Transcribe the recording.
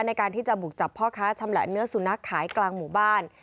ในการที่จะบุกจับพ่อค้าชำแหละเนื้อสุนัขขายกลางหมู่บ้าน